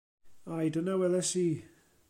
Aye dyna welis i.